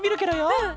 うん。